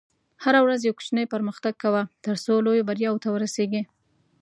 هره ورځ یو کوچنی پرمختګ کوه، ترڅو لویو بریاوو ته ورسېږې.